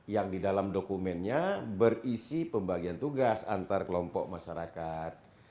yang di dalam dokumennya berisi pembagian tugas antar kelompok masyarakat